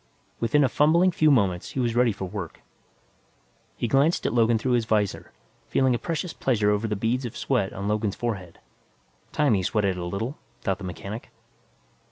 Within a fumbling few moments, he was ready for work. He glanced at Logan through his visor, feeling a vicious pleasure over the beads of sweat on Logan's forehead. Time he sweated a little, thought the mechanic.